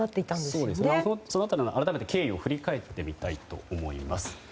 その辺りの経緯を改めて振り返ってみたいと思います。